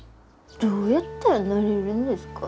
どうやったらなれるんですか？